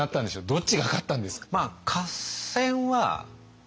どっちが勝ったんですか？